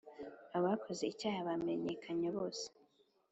Abakoze icyaha bamenyekanye bose